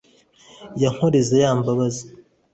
ya nkoreza ya mbabazi,